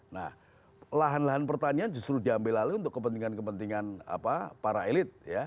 nah lahan lahan pertanian justru diambil alih untuk kepentingan kepentingan para elit ya